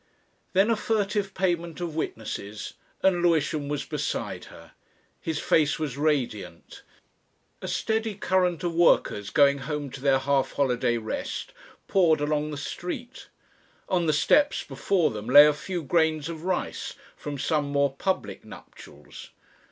Then a furtive payment of witnesses, and Lewisham was beside her. His face was radiant. A steady current of workers going home to their half holiday rest poured along the street. On the steps before them lay a few grains of rice from some more public nuptials.